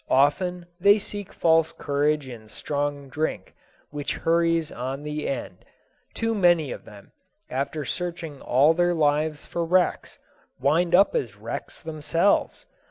Often they seek false courage in strong drink, which hurries on the end. Too many of them, after searching all their lives for wrecks, wind up as wrecks themselves.